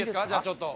ちょっと。